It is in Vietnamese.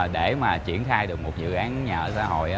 để mà triển khai được một dự án nhà ở xã hội